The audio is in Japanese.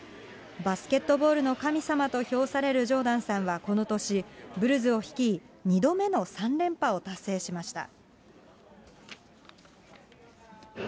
バスケットボールの神様と評されるジョーダンさんはこの年、ブルズを率い、２度目の３連覇を達成しました。